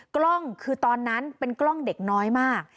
กล้องคือตอนนั้นเป็นกล้องเด็กน้อยมาก